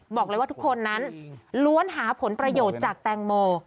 บอกเลยว่าทุกคนนั้นล้วนหาผลประโยชน์จากแตงโม